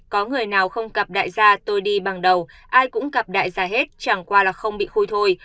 có người nào không gặp đại gia tôi đi bằng đầu ai cũng gặp đại gia hết chẳng qua là không bị khui thôi